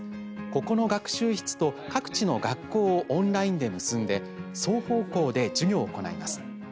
ここの学習室と各地の学校をオンラインで結んで双方向で授業を行います。